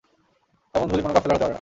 এমন ধূলি কোন কাফেলার হতে পারে না।